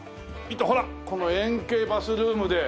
見てほらこの円形バスルームで。